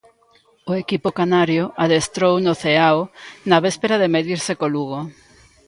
O equipo canario adestrou no Ceao na véspera de medirse co Lugo.